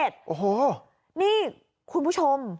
โอ้โหนี่คุณผู้ชม